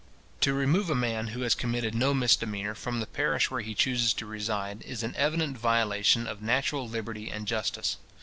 To remove a man who has committed no misdemeanour, from the parish where he chooses to reside, is an evident violation of natural liberty and justice.